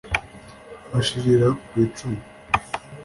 bashirira kwicumu